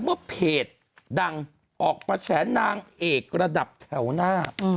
เมื่อเพจดังออกมาแฉนางเอกระดับแถวหน้า